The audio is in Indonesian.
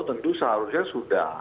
tentu seharusnya sudah